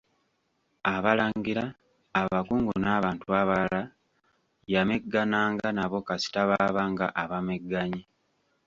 Abalangira, abakungu n'abantu abalala yameggananga nabo kasita baabanga abamegganyi.